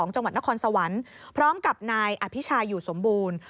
จังหวัดนครสวรรค์พร้อมกับนายอภิชาอยู่สมบูรณ์